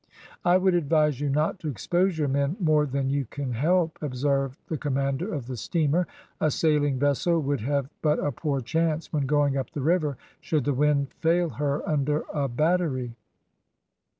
"I would advise you not to expose your men more than you can help," observed the commander of the steamer; "a sailing vessel would have but a poor chance when going up the river, should the wind fail her under a battery."